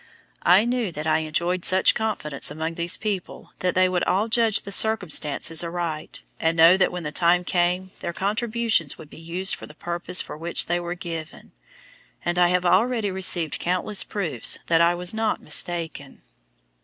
I knew that I enjoyed such confidence among these people that they would all judge the circumstances aright, and know that when the time came their contributions would be used for the purpose for which they were given. And I have already received countless proofs that I was not mistaken.